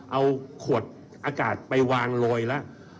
เอาขวดอากาศไปวางโรยแล้ว